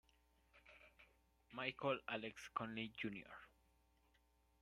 Michael Alex Conley, Jr.